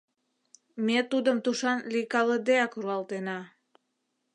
Ме тудым тушан лӱйкалыдеак руалтена.